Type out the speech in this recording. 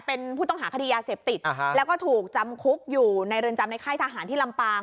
เป็นผู้ต้องหาคดียาเสพติดแล้วก็ถูกจำคุกอยู่ในเรือนจำในค่ายทหารที่ลำปาง